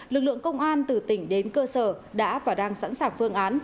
lực lượng công an từ tỉnh đến cơ sở đã và đang sẵn sàng phương án